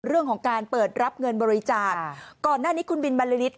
เรื่องของการเปิดรับเงินบริจาคก่อนหน้านี้คุณบินบรรลือฤทธ